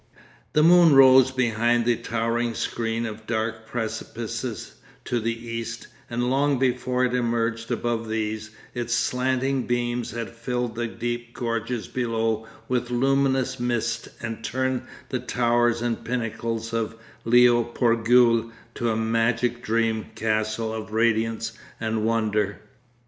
The moon rose behind the towering screen of dark precipices to the east, and long before it emerged above these, its slanting beams had filled the deep gorges below with luminous mist and turned the towers and pinnacles of Lio Porgyul to a magic dreamcastle of radiance and wonder....